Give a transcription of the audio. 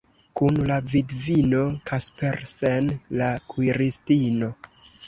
Kun la vidvino Kaspersen, la kuiristino.